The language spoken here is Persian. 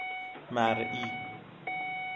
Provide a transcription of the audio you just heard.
مرئی